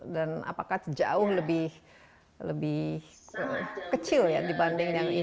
dan apakah jauh lebih kecil ya dibanding yang impor